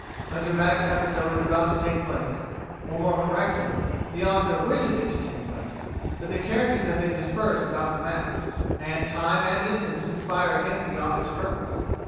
A dramatic episode is about to take place, or, more correctly, the author wishes it to take place, but the characters have been dispersed about the map, and time and distance conspire against the author's purpose.